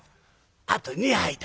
「あと２杯だ」。